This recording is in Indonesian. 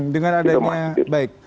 dengan adanya baik